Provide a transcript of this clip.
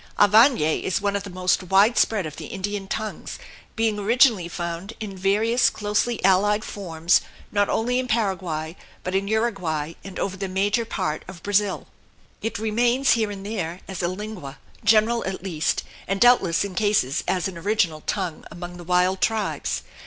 Guarany is one of the most wide spread of the Indian tongues, being originally found in various closely allied forms not only in Paraguay but in Uruguay and over the major part of Brazil. It remains here and there, as a lingua general at least, and doubtless in cases as an original tongue, among the wild tribes.